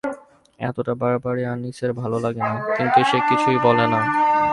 এতটা বাড়াবাড়ি আনিসের ভালো লাগে না, কিন্তু সে কিছুই বলে না।